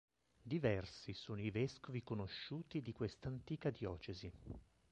Diversi sono i vescovi conosciuti di questa antica diocesi.